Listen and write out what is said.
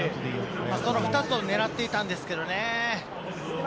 その２つを狙っていたんですけれどもね。